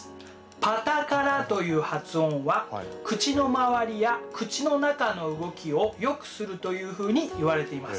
「パタカラ」という発音は口の周りや口の中の動きをよくするというふうにいわれています。